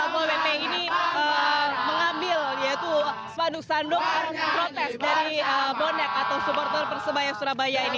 satpol pp ini mengambil yaitu spanduk spanduk protes dari bonek atau supporter persebaya surabaya ini